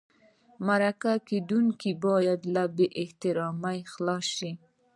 مرکه کېدونکی باید له بې احترامۍ خلاص شي.